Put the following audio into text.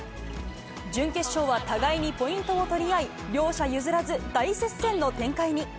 準決勝は互いにポイントを取り合い、両者譲らず大接戦の展開に。